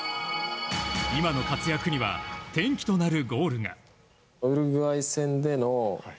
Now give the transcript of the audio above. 今の活躍には転機となるゴールが。